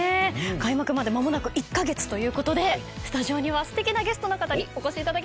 開幕まで間もなく１カ月ということでスタジオにはすてきなゲストの方にお越しいただきました。